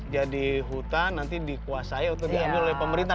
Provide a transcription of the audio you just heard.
jadi hutan nanti dikuasai atau diambil oleh pemerintah